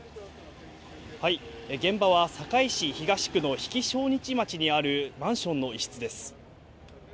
現場は堺市東区の日置荘西町にあるマンションの一室です。